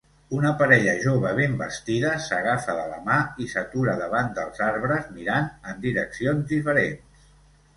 Una parella jove ben vestida s'agafa de la mà i s'atura davant dels arbres mirant en direccions diferents.